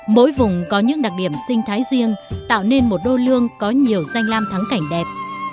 mỗi vùng có những đặc điểm sinh thái riêng tạo nên một đô lương có nhiều danh lam thắng cảnh đẹp